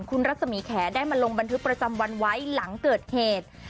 คุณรัศมีแขได้มาลงบันทึกประจำวันไว้หลังเกิดเหตุ